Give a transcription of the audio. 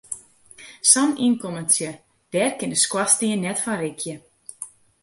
Sa'n ynkommentsje, dêr kin de skoarstien net fan rikje.